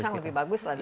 pisang lebih bagus lah